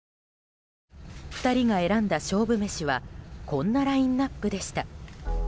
２人が選んだ勝負メシはこんなラインアップでした。